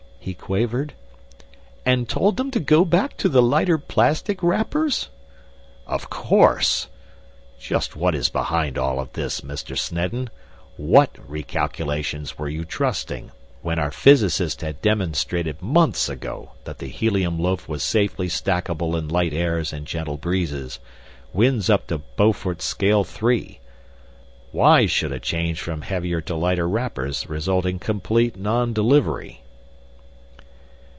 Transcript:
he quavered. "And told them to go back to the lighter plastic wrappers?" "Of course! Just what is behind all this, Mr. Snedden? What recalculations were you trusting, when our physicists had demonstrated months ago that the helium loaf was safely stackable in light airs and gentle breezes winds up to Beaufort's scale 3. Why should a change from heavier to lighter wrappers result in complete non delivery?"